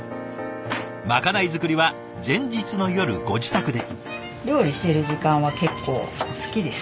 まかない作りは前日の夜ご自宅で。